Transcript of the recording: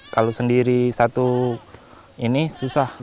kalau sendiri satu ini susah